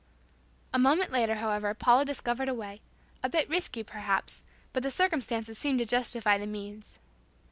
A moment later, however, Paula discovered a way, a bit risky perhaps, but the circumstances seemed to justify the means.